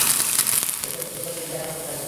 দেখলাম, কিছু লোক তাদের গির্জায় নামায আদায় করছে।